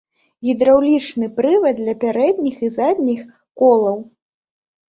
Гідраўлічны прывад для пярэдніх і задніх колаў.